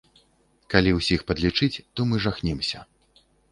Калі ўсіх падлічыць, то мы жахнемся.